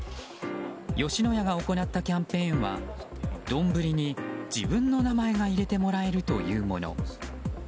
吉野家が行ったキャンペーンは丼に自分の名前が入れてもらえるというもの。